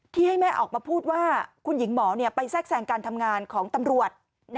ให้แม่ออกมาพูดว่าคุณหญิงหมอไปแทรกแทรงการทำงานของตำรวจ